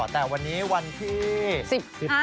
แต่วันนี้วันที่๑๕